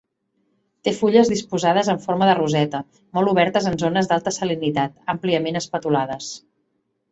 Té fulles disposades en forma de roseta, molt obertes en zones d'alta salinitat, àmpliament espatulades.